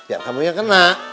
tiap kamunya kena